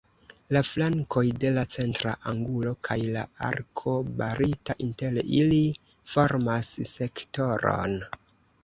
La flankoj de la centra angulo kaj la arko barita inter ili formas sektoron.